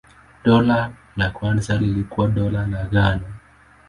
Dola la kwanza lilikuwa Dola la Ghana.